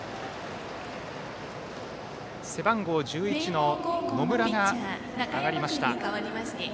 背番号１１の野村が上がりました。